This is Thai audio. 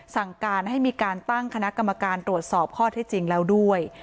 สั่งการให้มีการตั้งคณะกรรมการตรวจสอบข้อที่จริงแล้วด้วย